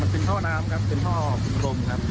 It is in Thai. เป็นท่อน้ำครับเป็นท่อปูพรมครับ